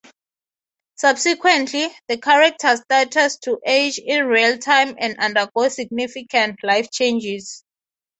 Subsequently, the characters started to age in real time and undergo significant life changes.